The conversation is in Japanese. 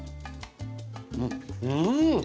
うん！